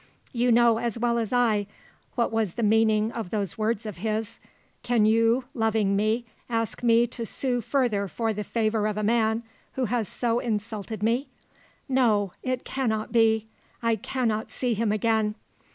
You know as well as I what was the meaning of those words of his. Can you, loving me, ask me to sue further for the favour of a man who has so insulted me? No. It cannot be. I cannot see him again.